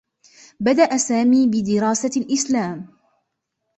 بدأ سامي بدراسة الإسلام.